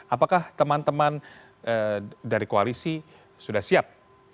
apakah teman teman dari koalisi sudah siap